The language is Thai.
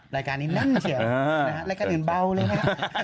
รายการนี้แน่นเฉียวรายการอื่นเบาเลยนะฮะ